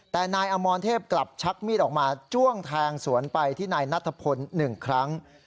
แต่นายอมรเทพกลับชักมีดออกมาจ้วงแทงสวนไปที่นายนัทพล๑ครั้ง